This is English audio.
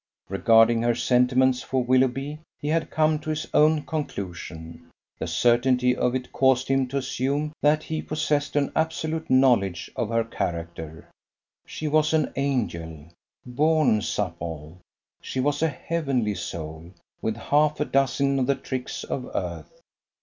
Regarding her sentiments for Willoughby, he had come to his own conclusion. The certainty of it caused him to assume that he possessed an absolute knowledge of her character: she was an angel, born supple; she was a heavenly soul, with half a dozen of the tricks of earth.